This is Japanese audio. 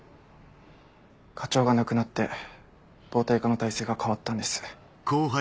課長が亡くなって暴対課の体制が変わったんです。